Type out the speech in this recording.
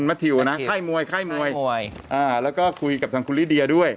ใช่มัทิวนะไข้มวยไข้มวยแล้วก็คุยกับทางคุณลิเดียด้วย